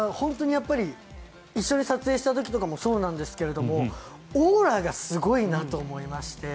一緒に撮影した時とかもそうなんですがオーラがすごいなと思いまして。